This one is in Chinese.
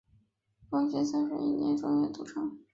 光绪三十一年正月组成。